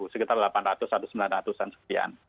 sekitar delapan ratus atau sembilan ratus an sekian